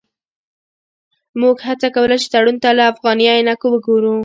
موږ هڅه کوله چې تړون ته له افغاني عینکو وګورو.